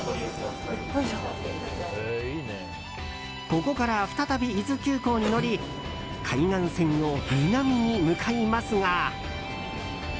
ここから再び伊豆急行に乗り海岸線を南に向かいますが。